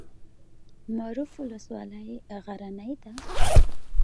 معروف ولسوالۍ غرنۍ ده؟